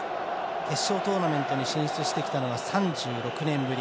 決勝トーナメントに進出してきたのは３６年ぶり。